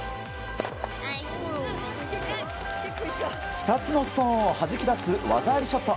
２つのストーンをはじき出す技ありショット。